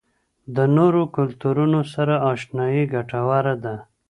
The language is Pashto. د نورو کلتورونو سره آشنايي ګټوره ده.